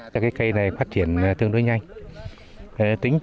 cây này phát triển tương đối nhanh